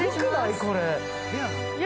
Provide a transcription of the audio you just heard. これ。